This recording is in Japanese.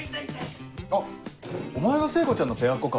あっお前が聖子ちゃんのペアっ子か。